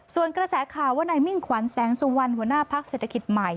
ส่วนกระแสข่าวว่านายมิ่งขวัญแสงสุวรรณหัวหน้าพักเศรษฐกิจใหม่